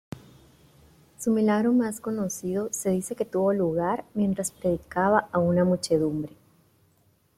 Su milagro más conocido se dice que tuvo lugar mientras predicaba a una muchedumbre.